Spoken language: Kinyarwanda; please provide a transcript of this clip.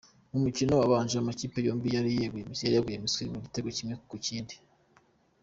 Mu mukino wabanje amakipe yombi yari yaguye miswi ku gitego kimwe ku kindi.